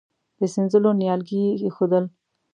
د سينځلو نيالګي يې اېښودل.